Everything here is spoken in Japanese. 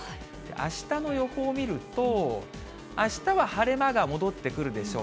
あしたの予報を見ると、あしたは晴れ間が戻ってくるでしょう。